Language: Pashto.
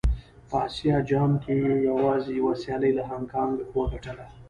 په اسيا جام کې يې يوازې يوه سيالي له هانګ کانګ وګټله.